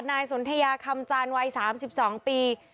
นายสนทรยากรรมจารย์วัย๓๒ปี